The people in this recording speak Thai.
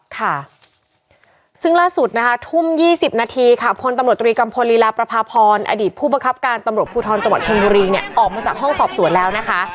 ค่ะซึ่งล่าสุดนะคะทุ่ม๒๐นาทีค่ะพลตำรวจตรีกัมพลลีลาประพาพรอดีตผู้บังคับการตำรวจภูทรจังหวัดชนบุรีเนี่ยออกมาจากห้องสอบสวนแล้วนะคะ